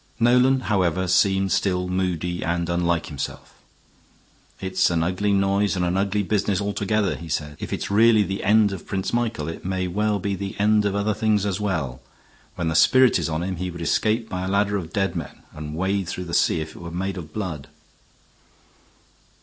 Nolan, however, seemed still moody and unlike himself. "It's an ugly noise and an ugly business altogether," he said. "If it's really the end of Prince Michael it may well be the end of other things as well. When the spirit is on him he would escape by a ladder of dead men, and wade through that sea if it were made of blood."